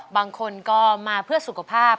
บางคนก็มาเพื่อสุขภาพ